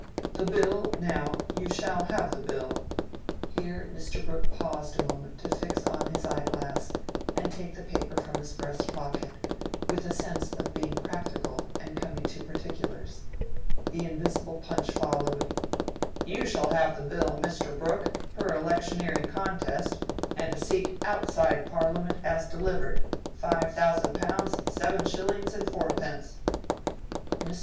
The Bill, now—you shall have the Bill"—here Mr. Brooke paused a moment to fix on his eye glass and take the paper from his breast pocket, with a sense of being practical and coming to particulars. The invisible Punch followed:— "You shall have the Bill, Mr. Brooke, per electioneering contest, and a seat outside Parliament as delivered, five thousand pounds, seven shillings, and fourpence." Mr.